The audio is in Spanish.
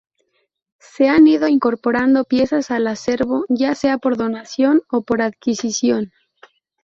Se han ido incorporando piezas al acervo, ya sea por donación o por adquisición.